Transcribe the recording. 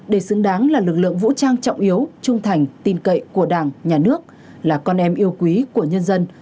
để xứng đáng là lực lượng vũ trang trọng yếu trung thành tin cậy của đảng nhà nước là con em yêu quý của nhân dân